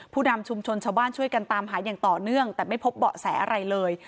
นำชุมชนชาวบ้านช่วยกันตามหาอย่างต่อเนื่องแต่ไม่พบเบาะแสอะไรเลย